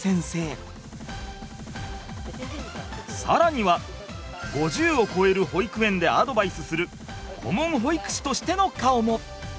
更には５０を超える保育園でアドバイスする顧問保育士としての顔も。